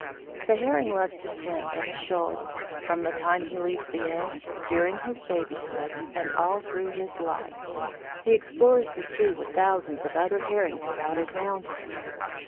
The Herring loves to swim in a shoal. From the time he leaves the egg, during his babyhood, and all through his life, he explores the sea with thousands of other Herrings crowded round him.